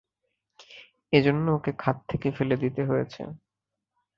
এজন্য ওকে খাদে ফেলে দিতে হয়েছে।